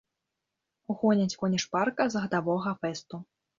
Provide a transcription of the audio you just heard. Гоняць коні шпарка з гадавога фэсту.